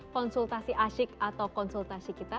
konsultasi asyik atau konsultasi kita